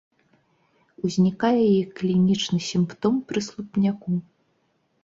Узнікае як клінічны сімптом пры слупняку.